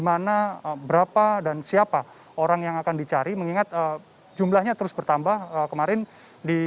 mana berapa dan siapa orang yang akan dicari mengingat jumlahnya terus bertambah kemarin di